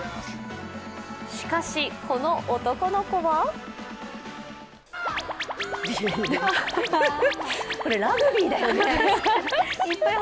しかし、この男の子はこれラグビーだよね。